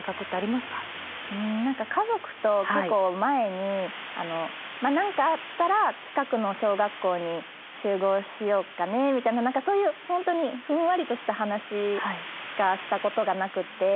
うん家族と結構前に何かあったら近くの小学校に集合しようかねみたいなそういう本当にふんわりとした話しかしたことがなくて。